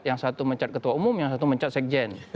yang satu mencat ketua umum yang satu mencat sekjen